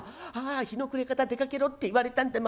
日の暮れ方出かけろって言われたんだ。